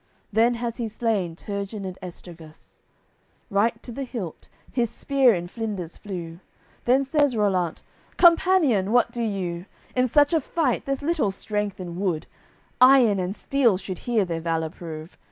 Then has he slain Turgin and Esturgus; Right to the hilt, his spear in flinders flew. Then says Rollant: "Companion, what do you? In such a fight, there's little strength in wood, Iron and steel should here their valour prove.